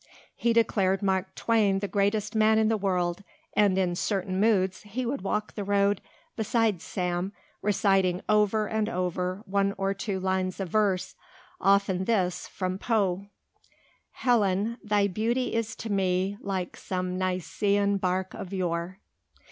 He declared Mark Twain the greatest man in the world and in certain moods he would walk the road beside Sam reciting over and over one or two lines of verse, often this from Poe: Helen, thy beauty is to me Like some Nicean bark of yore.